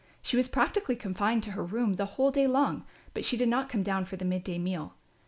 She was practically confined to her room the whole day long, but she did come down for the mid day meal.